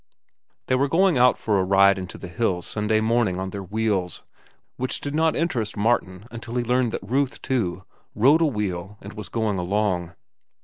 They were going out for a ride into the hills Sunday morning on their wheels, which did not interest Martin until he learned that Ruth, too, rode a wheel and was going along.